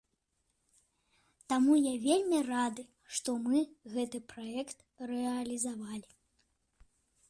Таму я вельмі рады, што мы гэты праект рэалізавалі.